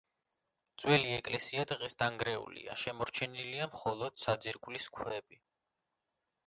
ძველი ეკლესია დღეს დანგრეულია, შემორჩენილია მხოლოდ საძირკვლის ქვები.